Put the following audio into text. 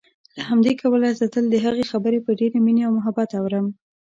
له همدې کبله زه تل دهغې خبرې په ډېرې مينې او محبت اورم